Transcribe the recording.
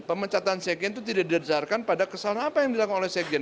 pemecatan sekjen itu tidak didesarkan pada kesalahan apa yang dilakukan oleh sekjen